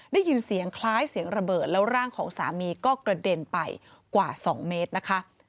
ได้ยินเสียงคล้ายเสียงระเบิดแล้วร่างของสามีก็กระเด็นไปกว่า๒เมตรนะคะ